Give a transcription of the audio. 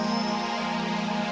nanti kalau manjur kasih tahu saya